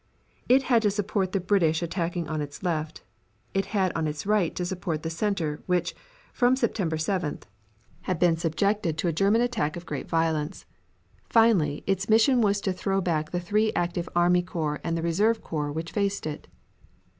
It had to support the British attacking on its left. It had on its right to support the center, which, from September 7th, had been subjected to a German attack of great violence. Finally, its mission was to throw back the three active army corps and the reserve corps which faced it.